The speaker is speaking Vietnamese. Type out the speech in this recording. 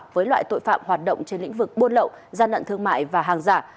với loại tội phạm hoạt động trên lĩnh vực buôn lậu gian lận thương mại và hàng giả